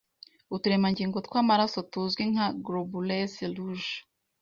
Uturemangingo tw’amaraso tuzwi nka ’Globules Rouges,